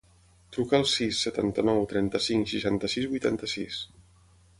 Truca al sis, setanta-nou, trenta-cinc, seixanta-sis, vuitanta-sis.